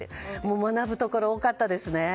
学ぶところが多かったです。